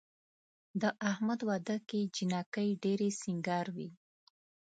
د احمد واده کې جینکۍ ډېرې سینګار وې.